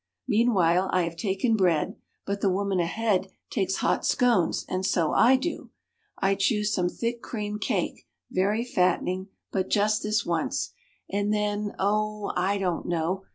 Meanwhile I have taken bread, but the woman ahead takes hot scones and so I do. I choose some thick creamed cake, very fattening, but just this once, and then, oh, I don't know.